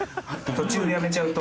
途中でやめちゃうと。